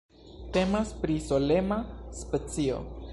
Temas pri solema specio.